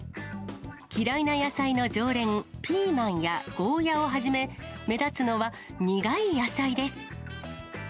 嫌いな野菜の常連、ピーマンやゴーヤをはじめ、目立つのは苦い野菜です。